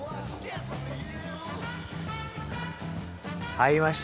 買いました。